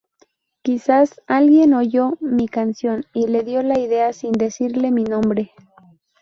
Quizás alguien oyó mi canción y le dio la idea sin decirle mi nombre.